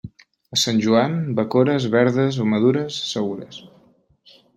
A sant Joan, bacores, verdes o madures, segures.